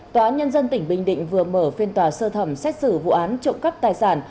tòa án nhân dân tỉnh bình định vừa mở phiên tòa sơ thẩm xét xử vụ án trộm cắp tài sản